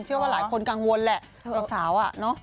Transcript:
เชื่อว่าหลายคนกังวลแหละสาวอะเนาะ